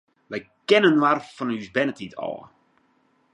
Wy kenne inoar fan ús bernetiid ôf.